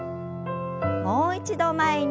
もう一度前に。